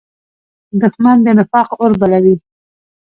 دښمن د نفاق اور بلوي